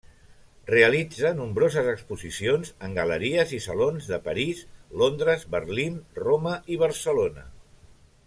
Realitza nombroses exposicions en galeries i salons de París, Londres, Berlín, Roma i Barcelona.